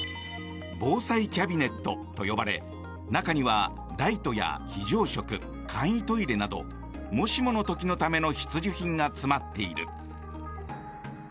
防災キャビネットと呼ばれ中にはライトや非常食簡易トイレなどもしもの時のための必需品が詰まっている。